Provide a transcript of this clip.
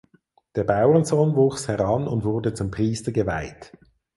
Der Bauernsohn wuchs heran und wurde zum Priester geweiht.